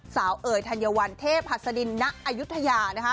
เอ๋ยธัญวัลเทพหัสดินณอายุทยา